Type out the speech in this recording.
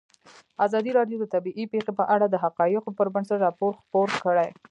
ازادي راډیو د طبیعي پېښې په اړه د حقایقو پر بنسټ راپور خپور کړی.